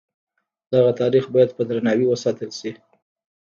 دغه تاریخ باید په درناوي وساتل شي.